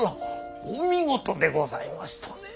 お見事でございましたね。